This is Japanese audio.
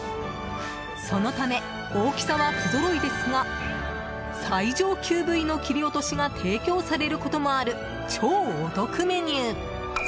そのため大きさは不ぞろいですが最上級部位の切り落としが提供されることもある超お得メニュー。